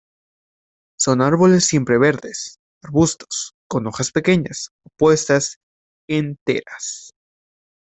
Son árboles siempreverdes, arbustos, con hojas pequeñas, opuestas, enteras.